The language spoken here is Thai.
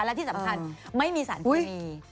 และที่สำคัญไม่มีสารเคมี